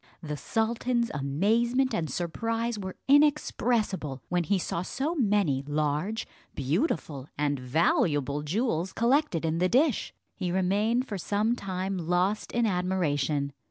The sultan's amazement and surprise were inexpressible, when he saw so many large, beautiful and valuable jewels collected in the dish. He remained for some time lost in admiration.